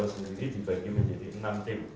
untuk yang tim verifikator sendiri dibagi menjadi enam tim